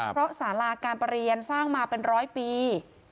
เพราะสาราการประเรียนสร้างมาเป็นร้อยปี